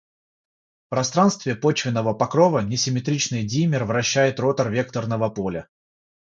в пространстве почвенного покрова, несимметричный димер вращает ротор векторного поля.